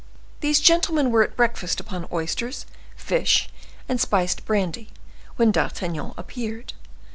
These gentlemen were at breakfast upon oysters, fish, and spiced brandy, when D'Artagnan appeared.